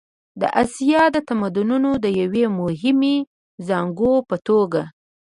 د اسیا د تمدنونو د یوې مهمې زانګو په توګه.